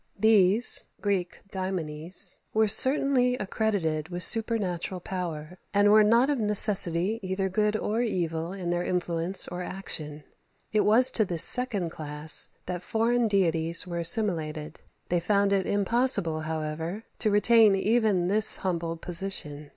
These [Greek: daimones] were certainly accredited with supernatural power, and were not of necessity either good or evil in their influence or action. It was to this second class that foreign deities were assimilated. They found it impossible, however, to retain even this humble position.